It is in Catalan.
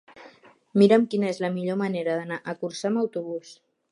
Mira'm quina és la millor manera d'anar a Corçà amb autobús.